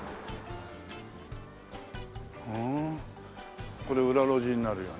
ふんこれ裏路地になるよね。